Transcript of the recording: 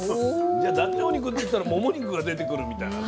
じゃあダチョウ肉っていったらモモ肉が出てくるみたいな感じ？